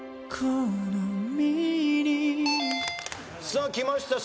さあきました。